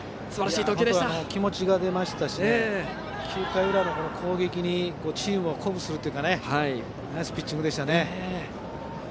気持ちが出たし９回裏の攻撃にチームを鼓舞するというかナイスピッチングでした。